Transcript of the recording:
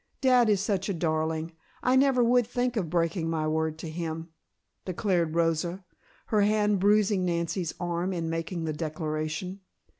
Dad is such a darling, I never would think of breaking my word to him," declared Rosa, her hand bruising Nancy's arm in making the declaration.